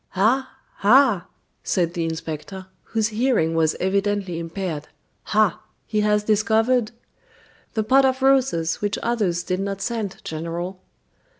"Ah! ah!" said the inspector, whose hearing was evidently impaired. "Ah, he has discovered " "The pot of roses which others did not scent, General."